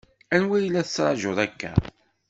Anwa i la ttṛaǧun akka?